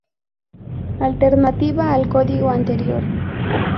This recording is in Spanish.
Alternativa al código anterior.